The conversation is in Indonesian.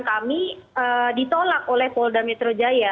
lepas itu laporan kami ditolak oleh polda metro jaya